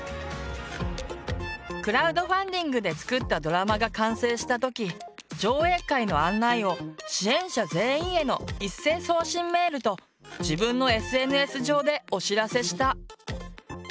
クラウドファンディングで作ったドラマが完成した時上映会の案内を支援者全員への一斉送信メールと自分のＳＮＳ上でお知らせした。